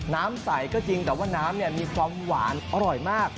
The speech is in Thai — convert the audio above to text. น้ำใสก็จริงแต่ว่าน้ำมีความหวานอร่อยมาก